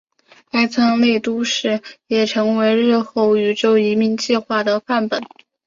该舰内都市也成为日后宇宙移民计画的范本。